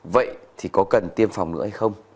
vậy thì có cần tiêm phòng nữa hay không